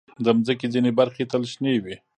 د مځکې ځینې برخې تل شنې وي.